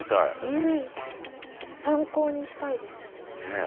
うん参考にしたいですよね。